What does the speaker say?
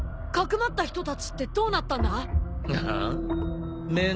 かくまった人たちってどうなったんだ？